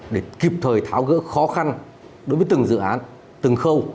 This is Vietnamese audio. để kịp thời tháo gỡ khó khăn đối với từng dự án từng khâu